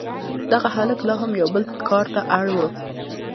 دغه هلک لا هم یو بل کار ته اړ و